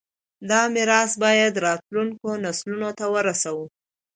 دا میراث باید راتلونکو نسلونو ته ورسوو.